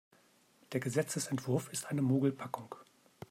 Der Gesetzesentwurf ist eine Mogelpackung.